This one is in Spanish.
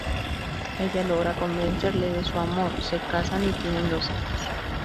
Ella logra convencerle de su amor, se casan y tienen dos hijos.